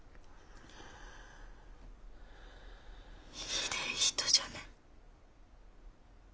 ひでえ人じゃね。